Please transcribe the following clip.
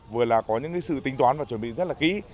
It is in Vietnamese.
vừa là có những sự tính toán và chuẩn bị rất là kỹ